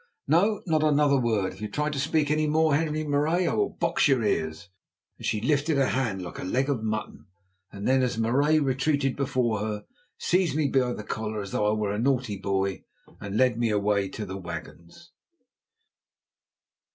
No, not another word. If you try to speak any more, Henri Marais, I will box your ears," and she lifted a hand like a leg of mutton, then, as Marais retreated before her, seized me by the collar as though I were a naughty boy and led me away to the wagons.